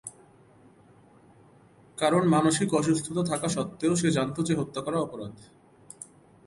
কারণ মানসিক অসুস্থতা থাকা সত্ত্বেও সে জানত যে হত্যা করা অপরাধ।